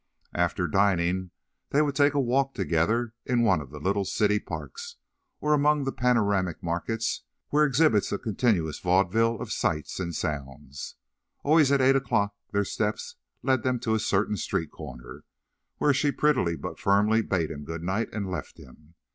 After dining, they would take a walk together in one of the little city parks, or among the panoramic markets where exhibits a continuous vaudeville of sights and sounds. Always at eight o'clock their steps led them to a certain street corner, where she prettily but firmly bade him good night and left him.